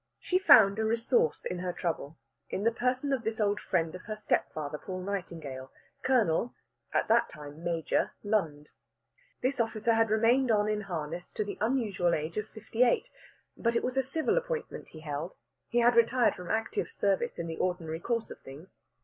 She found a resource in her trouble in the person of this old friend of her stepfather Paul Nightingale, Colonel (at that time Major) Lund. This officer had remained on in harness to the unusual age of fifty eight, but it was a civil appointment he held; he had retired from active service in the ordinary course of things.